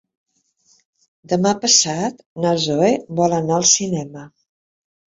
Demà passat na Zoè vol anar al cinema.